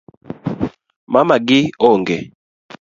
Mamagi onge